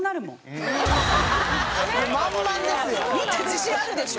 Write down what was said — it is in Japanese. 自信あるでしょ。